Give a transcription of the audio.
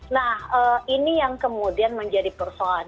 nah ini yang kemudian menjadi persoalan